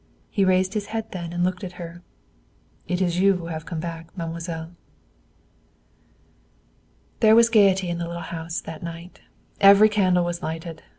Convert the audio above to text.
He raised his head and looked at her. "It is you who have come back, mademoiselle." There was gayety in the little house that night. Every candle was lighted.